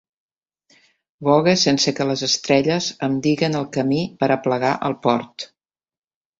Vogue sense que les estrelles em diguen el camí per a aplegar al port.